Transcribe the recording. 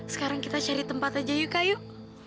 sekarang kita cari tempat aja yuk kak yuk